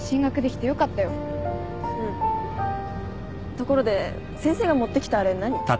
ところで先生が持ってきたあれ何？